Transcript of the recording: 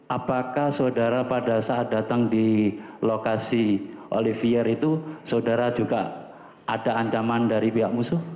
apakah saudara pada saat datang di lokasi olivier itu saudara juga ada ancaman dari pihak musuh